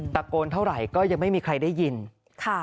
โกนเท่าไหร่ก็ยังไม่มีใครได้ยินค่ะ